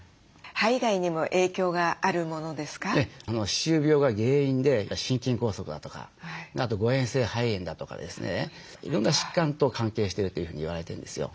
歯周病が原因で心筋梗塞だとかあと誤えん性肺炎だとかですねいろんな疾患と関係してるというふうに言われてるんですよ。